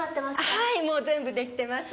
はいもう全部出来てます。